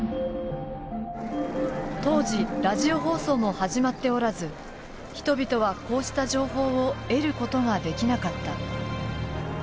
当時ラジオ放送も始まっておらず人々はこうした情報を得ることができなかった。